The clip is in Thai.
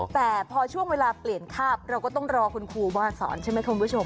แต่พอช่วงเวลาเปลี่ยนคาบเราก็ต้องรอคุณครูมาสอนใช่ไหมคุณผู้ชม